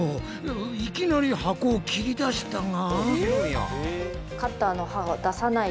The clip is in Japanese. いきなり箱を切り出したが！？